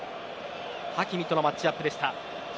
ハキミとのマッチアップでした。